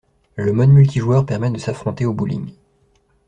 Le mode multijoueur permet de s'affronter au bowling.